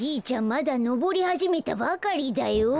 まだのぼりはじめたばかりだよ。